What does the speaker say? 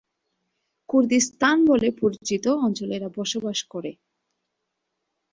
Kurdistan বলে পরিচিত অঞ্চলে এরা বসবাস করে।